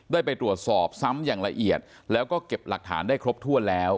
ได้ไปตรวจสอบซ้ำอย่างละเอียดแล้วก็เก็บหลักฐานได้ครบถ้วนแล้ว